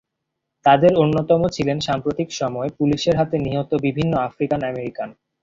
তাঁদের অন্যতম ছিলেন সাম্প্রতিক সময়ে পুলিশের হাতে নিহত বিভিন্ন আফ্রিকান আমেরিকান।